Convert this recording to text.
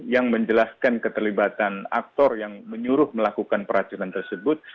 yang menjelaskan keterlibatan aktor yang menyuruh melakukan peracunan tersebut